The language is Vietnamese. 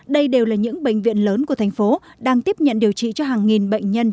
đây đều là những bệnh viện lớn của thành phố đang tiếp nhận điều trị cho hàng nghìn bệnh nhân